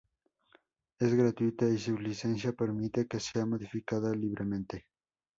Es gratuita, y su licencia permite que sea modificada libremente.